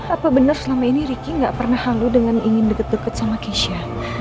apa benar selama ini ricky gak pernah halu dengan ingin deket deket sama kisha